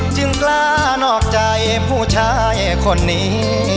กล้านอกใจผู้ชายคนนี้